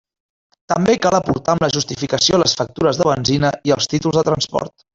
També cal aportar amb la justificació les factures de benzina i els títols de transport.